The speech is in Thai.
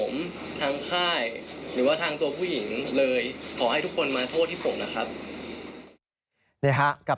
ไม่ได้คิดแล้วก็ฝากกัปตันก็เป็นคนพูดตั้งแต่แล้ว